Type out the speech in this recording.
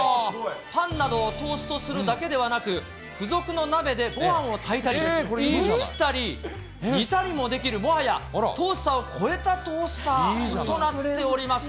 パンなどをトーストするだけではなく、付属の鍋でごはんを炊いたり、蒸したり、煮たりもできる、もはやトースターを超えたトースターとなっております。